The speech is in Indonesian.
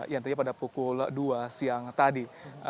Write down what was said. yang tadinya pada pukul dua siang tadi